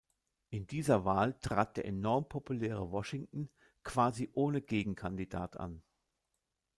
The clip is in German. In dieser Wahl trat der enorm populäre Washington quasi ohne Gegenkandidat an.